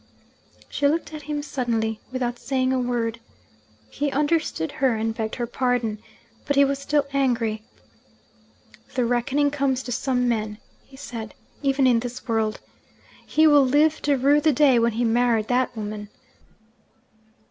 She looked at him suddenly, without saying a word. He understood her, and begged her pardon. But he was still angry. 'The reckoning comes to some men,' he said, 'even in this world. He will live to rue the day when he married that woman!'